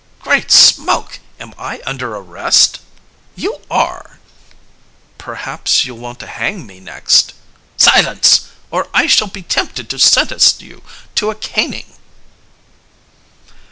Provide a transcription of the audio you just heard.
"Great smoke! Am I under arrest?" "You are." "Perhaps you'll want to hang me next." "Silence! Or I shall be tempted to sentence you to a caning."